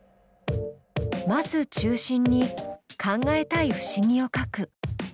まず中心に考えたい不思議を書く。